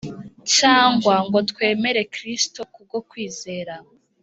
cyangwa ngo twemere Kristo kubwo kwizera